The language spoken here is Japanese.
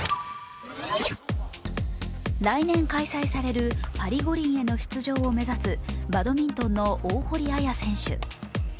来年開催されるパリ五輪への出場を目指すバドミントンの大堀彩選手。